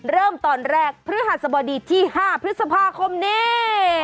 เริ่มตอนแรกพฤหัสบดีที่๕พฤษภาคมนี้